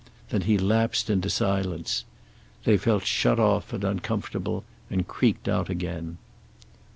Then he lapsed into silence. They felt shut off and uncomfortable, and creaked out again.